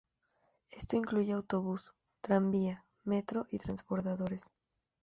Esto incluye autobús, tranvía, metro y transbordadores.